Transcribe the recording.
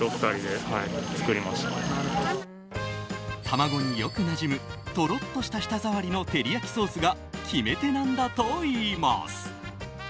玉子によくなじむとろっとした舌触りの照り焼きソースが決め手なんだといいます。